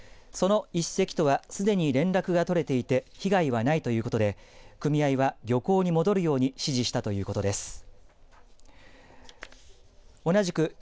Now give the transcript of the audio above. その１隻とはすでに連絡が取れていて被害はないということで組合は漁港に戻るように指示したということです。